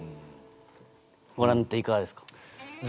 ご覧になっていかがですか？